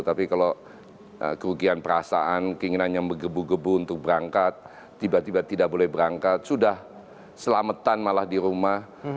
tapi kalau kerugian perasaan keinginan yang bergebu gebu untuk berangkat tiba tiba tidak boleh berangkat sudah selamatan malah di rumah